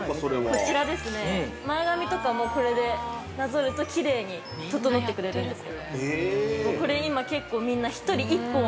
◆こちら、前髪とかもこれでなぞると、きれいに整ってくれるんです。